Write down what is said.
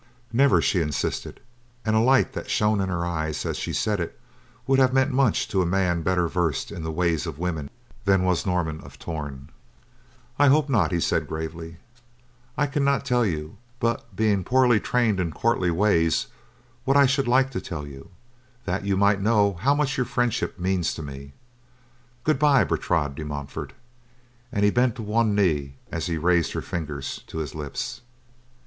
"Never," she insisted, and a light that shone in her eyes as she said it would have meant much to a man better versed in the ways of women than was Norman of Torn. "I hope not," he said gravely. "I cannot tell you, being but poorly trained in courtly ways, what I should like to tell you, that you might know how much your friendship means to me. Goodbye, Bertrade de Montfort," and he bent to one knee, as he raised her fingers to his lips.